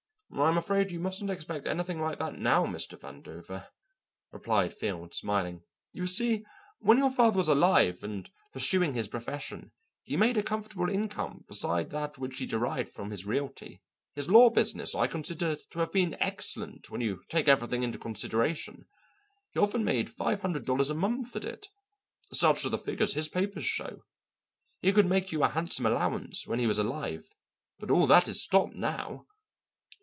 "I'm afraid you mustn't expect anything like that, now, Mr. Vandover," replied Field, smiling. "You see, when your father was alive and pursuing his profession, he made a comfortable income besides that which he derived from his realty. His law business I consider to have been excellent when you take everything into consideration. He often made five hundred dollars a month at it. Such are the figures his papers show. He could make you a handsome allowance while he was alive, but all that is stopped now!"